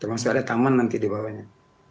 termasuk ada taman nanti di bawahnya